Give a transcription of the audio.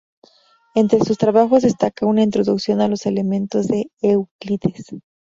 Entre sus trabajos destaca una introducción a los elementos de Euclides.